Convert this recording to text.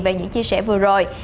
về những chia sẻ vừa rồi